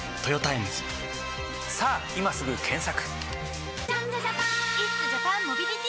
さぁ今すぐ検索！